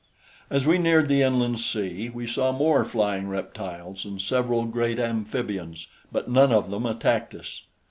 As we neared the inland sea we saw more flying reptiles and several great amphibians, but none of them attacked us.